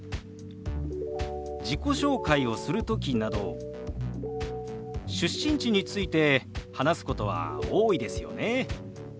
自己紹介をする時など出身地について話すことは多いですよね。